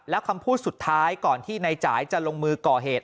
แล้วคำพูดสุดท้ายก่อนที่นายจ่ายจะลงมือก่อเหตุ